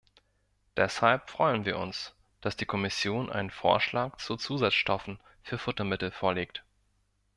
Deshalb freuen wir uns, dass die Kommission einen Vorschlag zu Zusatzstoffen für Futtermittel vorlegt.